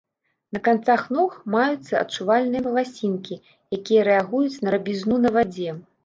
На канцах ног маюцца адчувальныя валасінкі, якія рэагуюць на рабізну на вадзе.